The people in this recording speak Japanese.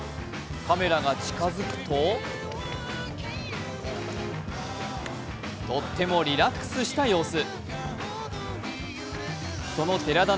カメラが近付くと、とってもリラックスした様子。